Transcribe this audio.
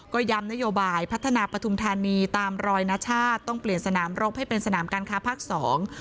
ก็ย้ำนโยบายพัฒนาปฐุมธานีตามรอยนชาติต้องเปลี่ยนสนามรบให้เป็นสนามการค้าภาคสอง